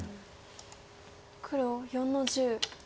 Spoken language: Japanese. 黒４の十。